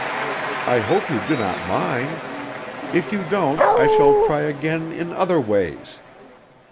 I hope you do not mind? If you don't, I shall try again in other ways.